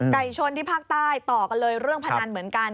ชนที่ภาคใต้ต่อกันเลยเรื่องพนันเหมือนกัน